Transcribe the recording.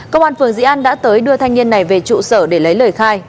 công an phường dĩ an đã tới đưa thanh niên này về trụ sở để lấy lời khai